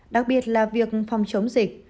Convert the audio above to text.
đặc biệt là việc phòng chống dịch